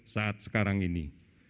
saat sekarang ini